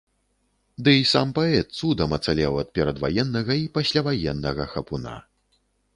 Дый сам паэт цудам ацалеў ад перадваеннага й пасляваеннага хапуна.